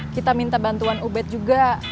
kita minta bantuan ubed juga